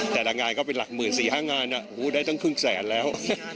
แต่ละงานก็เป็นหลักหมื่น๔๕งานได้ตั้งครึ่งแสนแล้ว